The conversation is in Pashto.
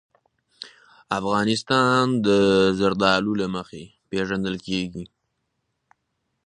افغانستان د زردالو له مخې پېژندل کېږي.